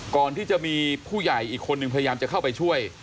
ก่อนที่จะมีผู้ใหญ่อีกคนนึงพยายามจะเข้าไปช่วย